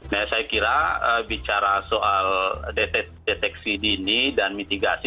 nah saya kira bicara soal deteksi dini dan mitigasi